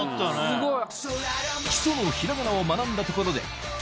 すごい。